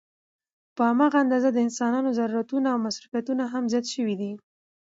په هماغه اندازه د انسانانو ضرورتونه او مصروفيتونه هم زيات شوي دي